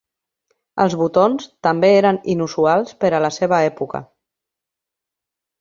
Els botons també eren inusuals per a la seva època.